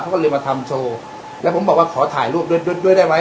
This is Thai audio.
เขาก็เลยมาทำโชว์แล้วผมบอกว่าขอถ่ายรูปด้วยด้วยได้ไหม